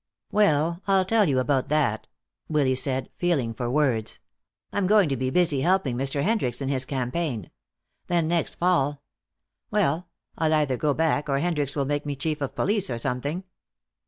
"Well, I'll tell you about that," Willy said, feeling for words. "I'm going to be busy helping Mr. Hendricks in his campaign. Then next fall well, I'll either go back or Hendricks will make me chief of police, or something."